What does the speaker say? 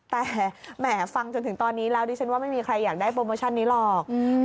แต่แหมฟังจนถึงตอนนี้แล้วดิฉันว่าไม่มีใครอยากได้โปรโมชั่นนี้หรอก